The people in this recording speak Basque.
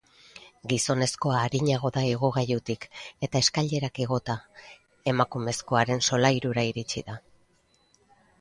Gizonezkoa arinago da igogailutik, eta eskailerak igota, emakumezkoaren solairura iritsi da.